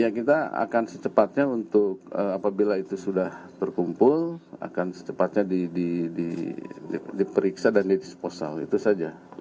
ya kita akan secepatnya untuk apabila itu sudah terkumpul akan secepatnya diperiksa dan didisposal itu saja